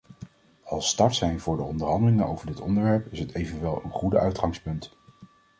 Als startsein voor de onderhandelingen over dit onderwerp is het evenwel een goede uitgangspunt.